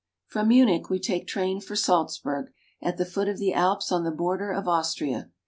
From Munich we take train for Salzburg, at the foot of the Alps on the border of Austria.